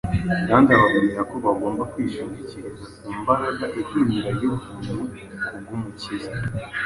kandi ababwira ko bagomba kwishingikiriza ku mbaraga ihindura y’ubuntu bw’Umukiza.